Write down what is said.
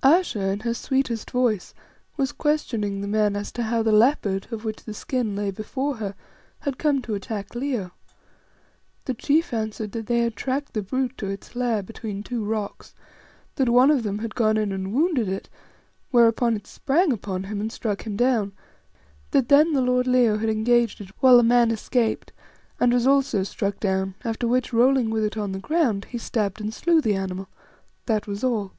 Ayesha, in her sweetest voice, was questioning the men as to how the leopard, of which the skin lay before her, had come to attack Leo. The chief answered that they had tracked the brute to its lair between two rocks; that one of them had gone in and wounded it, whereon it sprang upon him and struck him down; that then the lord Leo had engaged it while the man escaped, and was also struck down, after which, rolling with it on the ground, he stabbed and slew the animal. That was all.